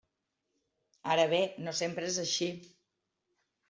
Ara bé, no sempre és així.